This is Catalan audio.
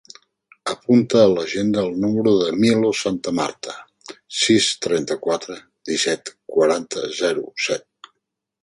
Apunta a l'agenda el número del Milos Santamarta: sis, trenta-quatre, disset, quaranta, zero, set.